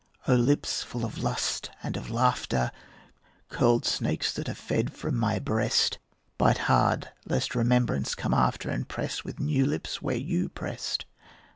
O lips full of lust and of laughter, Curled snakes that are fed from my breast, Bite hard, lest remembrance come after And press with new lips where you pressed.